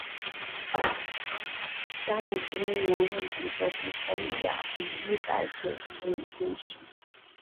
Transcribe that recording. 嘉靖十一年壬辰科第三甲第一百九十名进士。